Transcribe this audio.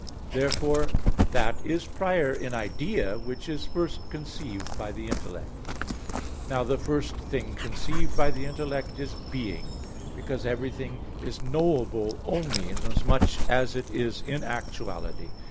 Therefore, that is prior in idea, which is first conceived by the intellect. Now the first thing conceived by the intellect is being; because everything is knowable only inasmuch as it is in actuality.